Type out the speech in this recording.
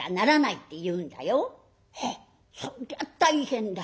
「はっそりゃ大変だ。